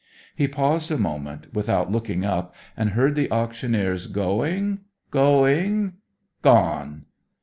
He paused a moment, without looking up, and heard the auctioneer's "Going, going, gone!"